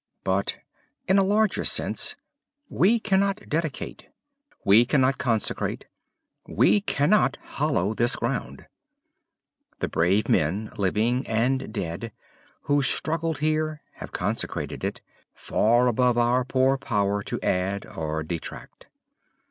But, in a larger sense, we cannot dedicate. . .we cannot consecrate. .. we cannot hallow this ground. The brave men, living and dead, who struggled here have consecrated it, far above our poor power to add or detract.